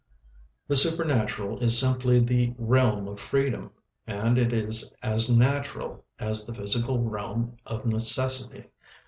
The supernatural is simply the realm of freedom, and it is as natural as the physical realm of necessity.